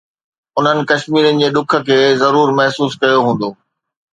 انهن ڪشميرين جي ڏک کي ضرور محسوس ڪيو هوندو